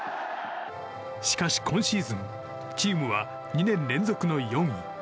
しかし、今シーズンチームは２年連続の４位。